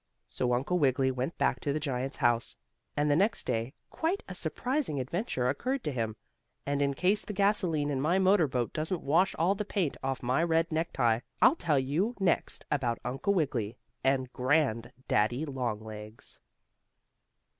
So Uncle Wiggily went back to the giant's house, and the next day quite a surprising adventure occurred to him, and in case the gasoline in my motorboat doesn't wash all the paint off my red necktie I'll tell you next about Uncle Wiggily and Grand daddy Longlegs.